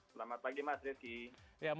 selamat pagi mas rizky